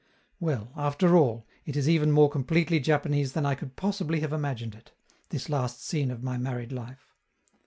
Well, after all, it is even more completely Japanese than I could possibly have imagined it this last scene of my married life!